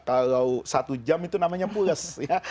kalau satu jam itu namanya pulas